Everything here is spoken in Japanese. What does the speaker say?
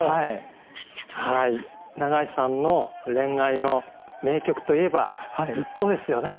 永井さんの恋愛の名曲といえば「ＺＵＴＴＯ」ですよね。